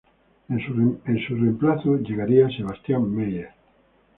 En su reemplazo llegaría Sebastian Meyer.